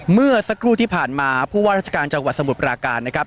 เมื่อสักครู่ที่ผ่านมาผู้ว่าราชการจังหวัดสมุทรปราการนะครับ